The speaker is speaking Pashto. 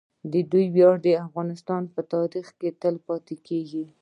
د دوی ویاړ د افغانستان په تاریخ کې تل پاتې کیږي.